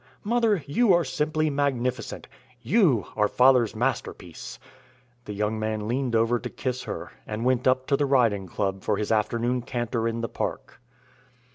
mother, you are simply magnificent! You are father's masterpiece." The young man leaned over to kiss her, and went up to the Riding Club for his afternoon canter in the Park.